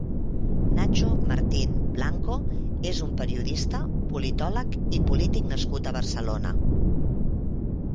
Nacho Martín Blanco és un periodista, politòleg i polític nascut a Barcelona.